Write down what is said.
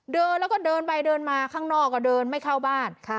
เดินแล้วก็เดินไปเดินมาข้างนอกก็เดินไม่เข้าบ้าน